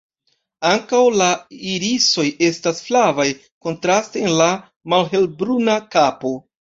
Ankaŭ la irisoj estas flavaj, kontraste en la malhelbruna kapo.